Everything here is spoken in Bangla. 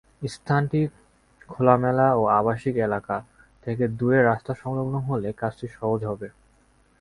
স্থানটি খোলামেলা ও আবাসিক এলাকা থেকে দূরে রাস্তাসংলগ্ন হলে কাজটি সহজ হবে।